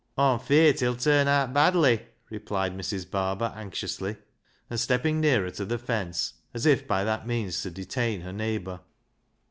Aw'm feart he'll turn aat badly," replied Mrs. Barber anxiously, and stepping nearer to the fence, as if by that means to detain her neigh bour.